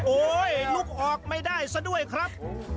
ลุกออกไม่ได้ซะด้วยครับ